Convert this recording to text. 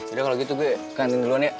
udah kalau gitu gue keantin duluan ya